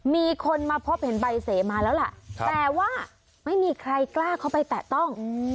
มีคนมาพบเห็นใบเสมาแล้วล่ะแต่ว่าไม่มีใครกล้าเข้าไปแปะต้อง